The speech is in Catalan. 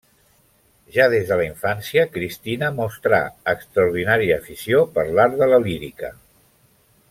Ja des de la infància Cristina mostrà extraordinària afició per l'art de la lírica.